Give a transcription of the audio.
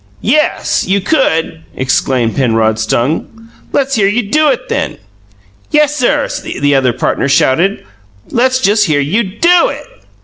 "YES, you could!" exclaimed Penrod, stung. "Let's hear you do it, then." "Yessir!" the other partner shouted. "Let's just hear you DO it!"